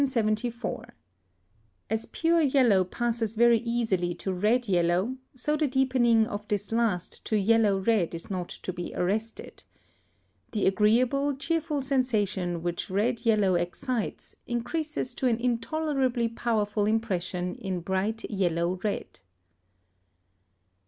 As pure yellow passes very easily to red yellow, so the deepening of this last to yellow red is not to be arrested. The agreeable, cheerful sensation which red yellow excites, increases to an intolerably powerful impression in bright yellow red.